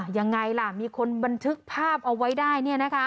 ยังไงล่ะมีคนบันทึกภาพเอาไว้ได้